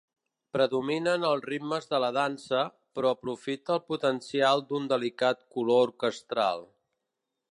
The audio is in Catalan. Predominen els ritmes de la dansa, però aprofita el potencial d'un delicat color orquestral.